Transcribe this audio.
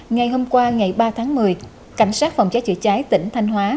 ngày hôm qua ngày ba tháng một mươi cảnh sát phòng cháy chữa cháy tỉnh thanh hóa